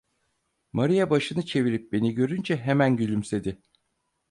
Maria başını çevirip beni görünce, hemen gülümsedi.